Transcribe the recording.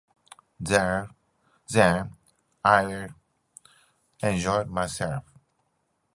Then I'll enjoy myself.